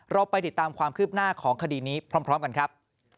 เราไปติดตามความคืบหน้าของคดีนี้พร้อมกันครับ